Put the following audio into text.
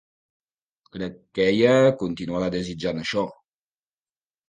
Crec que ella continuarà desitjant això.